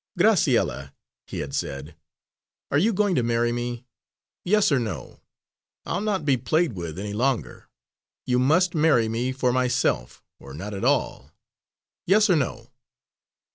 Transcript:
"Graciella," he had said, "are you going to marry me? Yes or no. I'll not be played with any longer. You must marry me for myself, or not at all. Yes or no."